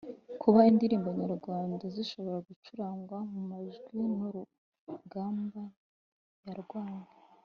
Kuba indirimbo nyarwanda zishobora gucurangwa mu majwi ni urugamba yarwanye